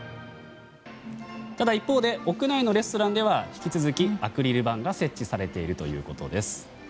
ただ一方で屋内のレストランでは引き続きアクリル板が設置されています。